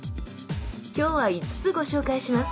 今日は５つご紹介します。